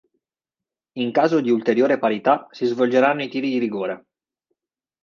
In caso di ulteriore parità si svolgeranno i tiri di rigore.